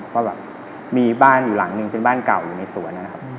ก็แบบมีบ้านอยู่หลังหนึ่งเป็นบ้านเก่าอยู่ในสวนนะครับ